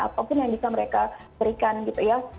apapun yang bisa mereka berikan gitu ya